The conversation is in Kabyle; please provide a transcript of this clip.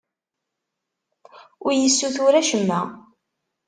Ur iyi-ssutur acemma.